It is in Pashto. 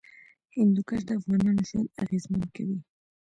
هندوکش د افغانانو ژوند اغېزمن کوي.